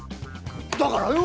だからよ！